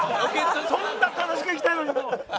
そんな楽しくいきたいのにもう。